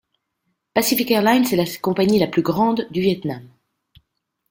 Pacific Airlines est la seconde compagnie la plus grande du Vietnam.